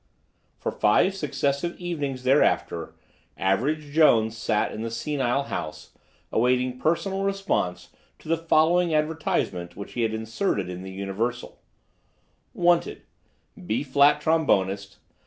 For five successive evenings thereafter Average Jones sat in the senile house, awaiting personal response to the following advertisement which he had inserted in the Universal: WANTED—B flat trombonist.